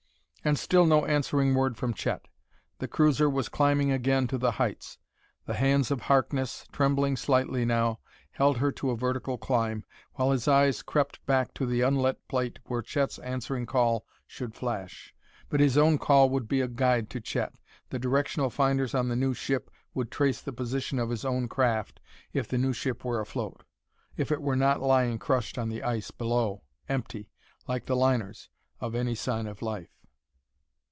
And still no answering word from Chet. The cruiser was climbing again to the heights. The hands of Harkness, trembling slightly now, held her to a vertical climb, while his eyes crept back to the unlit plate where Chet's answering call should flash. But his own call would be a guide to Chet; the directional finders on the new ship would trace the position of his own craft if the new ship were afloat if it were not lying crushed on the ice below, empty, like the liners, of any sign of life.